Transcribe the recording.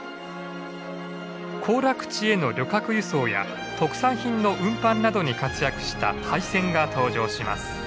行楽地への旅客輸送や特産品の運搬などに活躍した廃線が登場します。